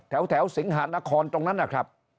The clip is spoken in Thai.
แถวสิงหานครตรงนั้นครับ